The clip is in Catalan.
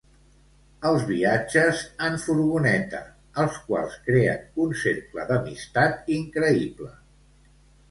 Els viatges en furgoneta, els quals creen un cercle d'amistat increïble.